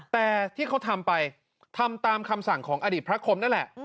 แต่ที่เขาทำไปทำตามคำสั่งของอดีตพระคมนั่นแหละ